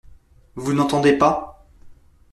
Vous n’entendez pas ?